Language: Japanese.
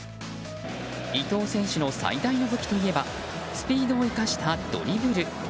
伊東選手の最大の武器といえばスピードを生かしたドリブル。